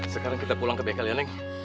sekarang kita pulang ke bengkel ya neng